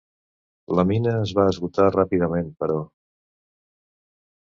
La mina es va esgotar ràpidament, però.